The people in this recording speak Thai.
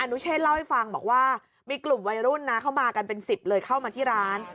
นุเชษเล่าให้ฟังบอกว่ามีกลุ่มวัยรุ่นนะเข้ามากันเป็น๑๐เลยเข้ามาที่ร้าน